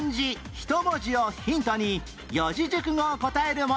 １文字をヒントに四字熟語を答える問題